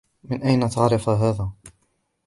من أينَ تعرف هذا؟